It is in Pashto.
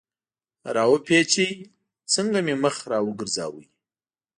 را و پېچ، څنګه مې مخ را وګرځاوه.